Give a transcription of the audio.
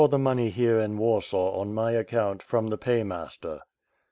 the money here in Warsaw on my account from the pay master."